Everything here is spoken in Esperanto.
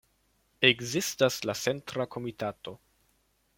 Ekzistas la Centra Komitato.